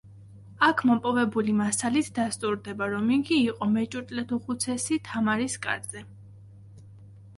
აქ მოპოვებული მასალით დასტურდება, რომ იგი იყო მეჭურჭლეთუხუცესი თამარის კარზე.